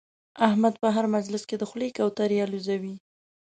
احمد په هر مجلس کې د خولې کوترې اولوزوي.